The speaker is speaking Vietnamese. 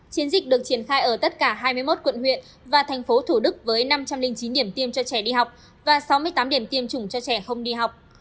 chiến dịch được triển khai ở tất cả hai mươi một quận huyện và thành phố thủ đức với năm trăm linh chín điểm tiêm cho trẻ đi học và sáu mươi tám điểm tiêm chủng cho trẻ không đi học